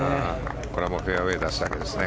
これはフェアウェーに出すだけですね。